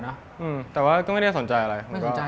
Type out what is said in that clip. อืมแต่ว่าก็ไม่ได้สนใจอะไร